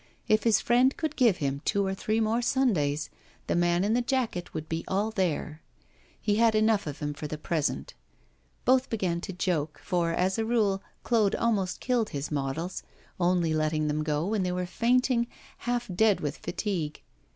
If his friend could give him two or three more Sundays the man in the jacket would be all there. He had enough of him for the present. Both began to joke, for, as a rule, Claude almost killed his models, only letting them go when they were fainting, half dead with fatigue.